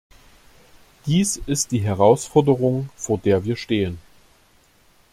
Dies ist die Herausforderung, vor der wir stehen.